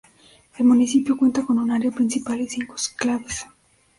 El municipio cuenta con un área principal y cinco exclaves.